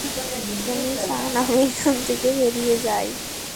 উনি চান আমি এখান থেকে বেরিয়ে যাই?